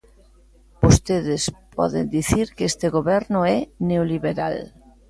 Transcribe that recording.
Vostedes poden dicir que este Goberno é neoliberal.